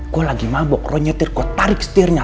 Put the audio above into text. gue lagi mabok gue nyetir gue tarik setirnya